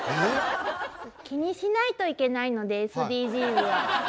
気にしないといけないのでＳＤＧｓは。